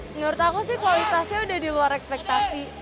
menurut aku sih kualitasnya udah di luar ekspektasi